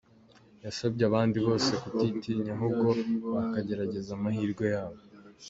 Yasabye abandi bose kutitinya ahubwo bakagerageza amahirwe yabo.